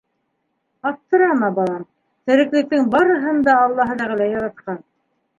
- Аптырама, балам, тереклектең барыһын да аллаһы тәғәлә яратҡан.